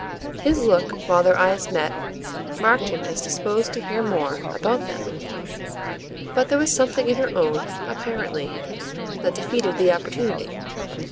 His look, while their eyes met, marked him as disposed to hear more about them; but there was something in her own, apparently, that defeated the opportunity.